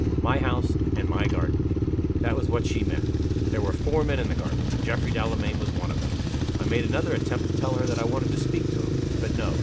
'My house; and my garden' that was what she meant. There were four men in the garden and Geoffrey Delamayn was one of them. I made another attempt to tell her that I wanted to speak to him. But, no!